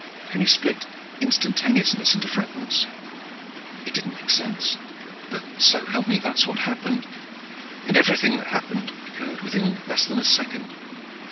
Can you split instantaneousness into fragments? It didn't make sense, but so help me, that's what happened. And everything that happened, occurred within less than a second.